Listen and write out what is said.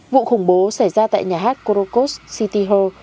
vụ khủng bố xảy ra tại nhà hát korokos city hall